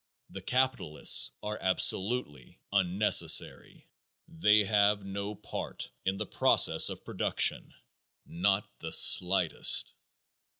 The capitalists are absolutely unnecessary; they have no part in the process of production not the slightest.